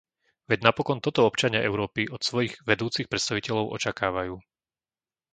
Veď napokon toto občania Európy od svojich vedúcich predstaviteľov očakávajú.